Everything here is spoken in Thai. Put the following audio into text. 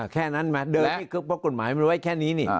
แค่นั้นไหมเดินที่กฎหมายมันไว้แค่นี้นี่